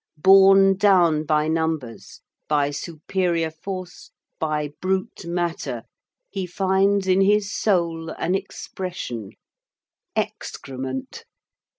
Borne down by numbers, by superior force, by brute matter, he finds in his soul an expression: _"Excrément!"